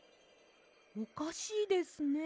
おかしいですね。